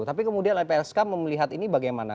tapi kemudian lpsk melihat ini bagaimana